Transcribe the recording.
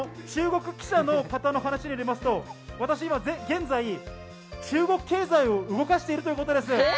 中国記者の話によると、私、今現在、中国経済を動かしているということです。